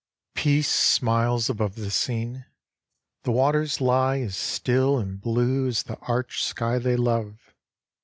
Peace smiles above the scene. The waters lie As still and blue as the arched sky they love.